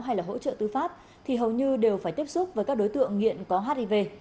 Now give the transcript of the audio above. hay là hỗ trợ tư pháp thì hầu như đều phải tiếp xúc với các đối tượng nghiện có hiv